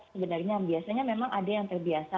sebenarnya biasanya memang ada yang terbiasa